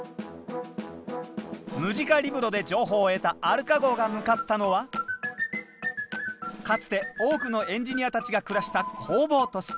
ムジカリブロで情報を得たアルカ号が向かったのはかつて多くのエンジニアたちが暮らした工房都市。